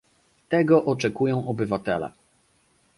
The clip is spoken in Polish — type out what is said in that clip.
Tego oczekują obywatele